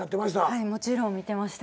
はいもちろん見てました。